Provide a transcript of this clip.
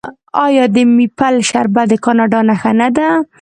آیا د میپل شربت د کاناډا نښه نه ده؟